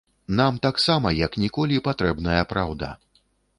Нам таксама як ніколі патрэбная праўда.